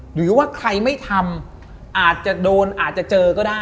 หรือว่าใครไม่ทำอาจจะโดนอาจจะเจอก็ได้